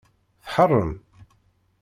Tḥarem?